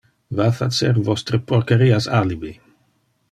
Va facer vostre porcherias alibi!